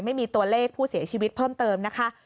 ไม่มีตัวเลขผู้เสียชีวิตเพิ่มเติมนะคะ